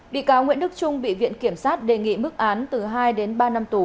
bị cáo nguyễn đức trung bị viện kiểm sát đề nghị mức án từ hai đến ba năm tù